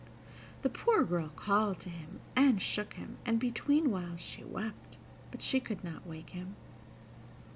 The poor girl called to him, and shook him, and between whiles she wept; but she could not wake him.